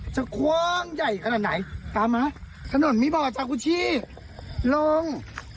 กว้างใหญ่ขนาดไหนตามมาถนนมีบ่อจากกูชีลง